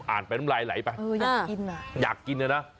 อ่านเป็นน้ำลายไหลไปเอออยากกินอ่ะอยากกินอ่ะน่ะค่ะ